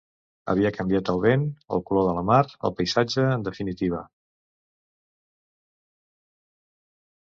Havia canviat el vent, el color de la mar, el paisatge, en definitiva.